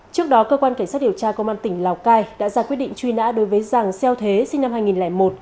trước đó cơ quan cảnh sát điều tra công an tỉnh lào cai đã ra quyết định truy nã đối với giàng xeo thế sinh năm hai nghìn một